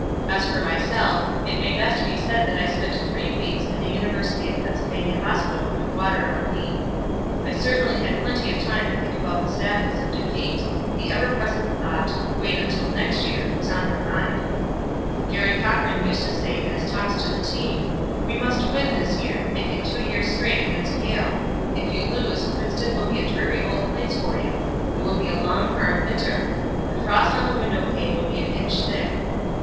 As for myself, it may best be said that I spent three weeks in the University of Pennsylvania Hospital with water on the knee. I certainly had plenty of time to think about the sadness of defeat the ever present thought "Wait until next year" was in my mind. Garry Cochran used to say in his talks to the team: "We must win this year make it two years straight against Yale. If you lose, Princeton will be a dreary old place for you. It will be a long, hard winter. The frost on the window pane will be an inch thick."